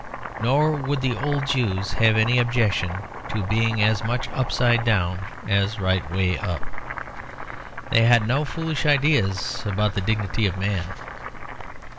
Nor would the old Jews have any objection to being as much upside down as right way up. They had no foolish ideas about the dignity of man.